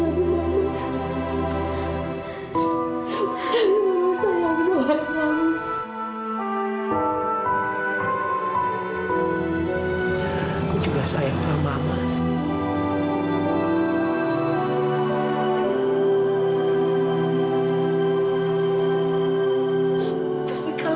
pokoknya mama akan nempel terus sama kamu